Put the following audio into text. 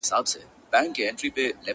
وجود پرېږدمه د وخت مخته به نڅا کومه~